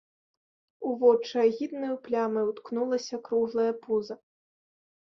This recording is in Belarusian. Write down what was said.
У вочы агіднаю плямай уткнулася круглае пуза.